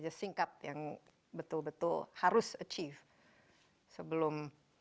ya singkat yang betul betul harus achieve sebelum